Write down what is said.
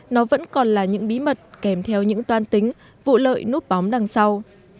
nó vẫn còn là những bí mật kèm theo những toan tính vụ lợi núp bóng đằng sau